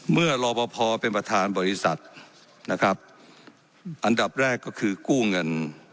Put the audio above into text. รอบพอเป็นประธานบริษัทนะครับอันดับแรกก็คือกู้เงิน